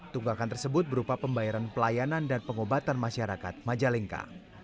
tunggakan tersebut berupa pembayaran pelayanan dan pengobatan masyarakat majalengka